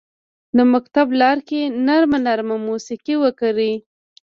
د مکتب لارکې نرمه، نرمه موسیقي وکري